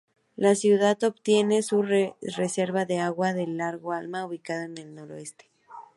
La ciudad obtiene su reserva de agua del lago Alma, ubicado al noreste.